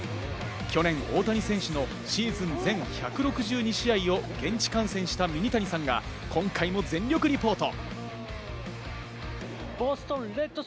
去年、大谷選手のシーズン全１６２試合を現地観戦したミニタニさんが、今回も全力リポート。